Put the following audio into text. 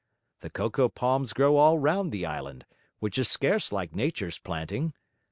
The cocoa palms grow all round the island, which is scarce like nature's planting.